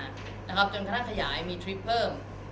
จนถ้าท้ายน้องขยายก็จะมีทริปเพิ่ม